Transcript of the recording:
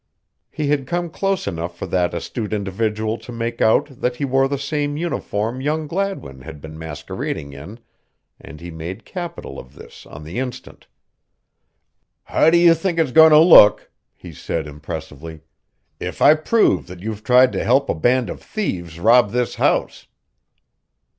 He had come close enough for that astute individual to make out that he wore the same uniform young Gladwin had been masquerading in and he made capital of this on the instant. "How do you think it is going to look," he said, impressively, "if I prove that you've tried to help a band of thieves rob this house?"